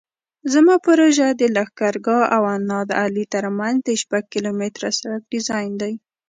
زما پروژه د لښکرګاه او نادعلي ترمنځ د شپږ کیلومتره سرک ډیزاین دی